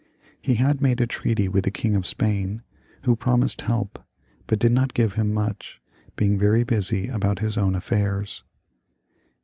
He had made a treaty with the King of Spain, who promised help, but did not give him much, being very busy about his own affairs.